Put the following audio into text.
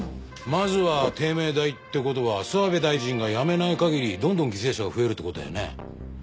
まずは帝名大って事は諏訪部大臣が辞めない限りどんどん犠牲者が増えるって事だよね。